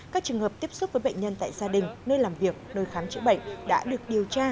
các trường hợp tiếp xúc với bệnh nhân tại gia đình nơi làm việc nơi khám chữa bệnh đã được điều tra